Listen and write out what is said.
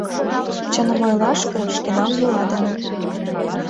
Чыным ойлаш гын, шкенан йӱла дене.